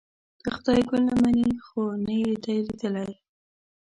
که خدای ګل نه مني خو نه یې دی لیدلی.